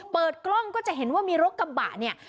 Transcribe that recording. เปิดกล้องก็จะเห็นว่ามีรถกระบะเนี่ย